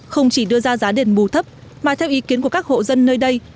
không chỉ đưa ra giá đền bù thấp mà theo ý kiến của các hộ dân nơi đây